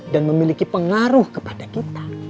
dan memiliki pengaruh kepada kita